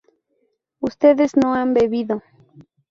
ustedes no han bebido